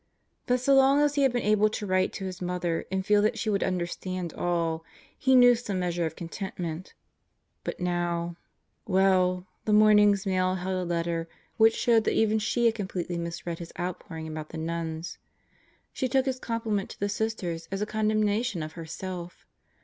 But so long as he had been able to write to his mother and feel that she would understand all, he knew some measure of contentment. But now .,. Well, the morning's mail held a letter which showed that even she had completely misread his outpouring about the nuns. She took his compliment to the Sisters as a condemnation of herself.